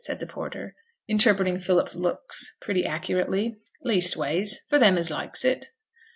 said the porter, interpreting Philip's looks pretty accurately. 'Leastways, for them as likes it.